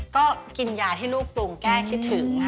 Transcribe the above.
ก็กินยาให้ลูกปรุงแก้คิดถึง